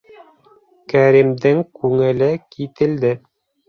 Кәримдең күңеле кителде.